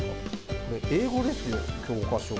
これ、英語ですよ、教科書。